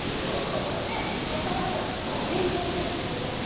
そして、若林さんの助言をもとに再アップ。